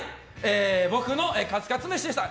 僕のカツカツ飯でした。